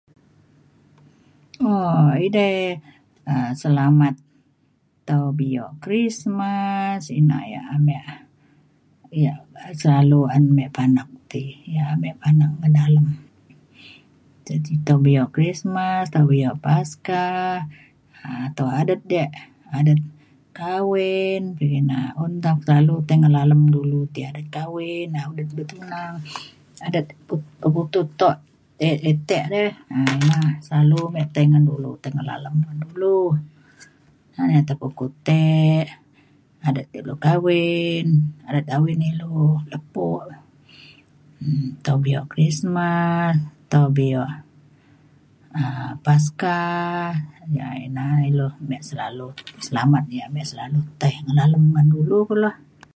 um idei selamat taw bio krismas ina ya amek ya selalu an mek panak ti mek panak ce taw bio krismas, taw bio paska, um adet ke adet kawen kun ina alem dulu ti adet kawen, adet bertunang, adet tebuku te' ha inah ya selalu mek ti ngan ulu ti ngan alem ulu na ya tebuku te' adet ulu kawen adet kawen ilu lepo um taw bio krismas, taw bio um paska ya' inah ilu mek selalu selamat ya selalu tei ngan dulu.